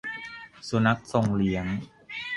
สุนัขทรงเลี้ยง